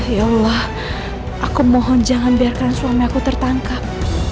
ya allah aku mohon jangan biarkan suami aku tertangkap